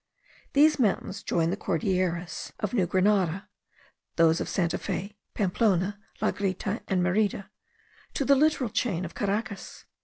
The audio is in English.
These mountains join the Cordilleras of New Grenada (those of Santa Fe, Pamplona, la Grita, and Merida) to the littoral chain of Caracas.